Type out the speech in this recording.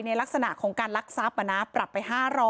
ในลักษณะของการรักษาปนาปรับไป๕๐๐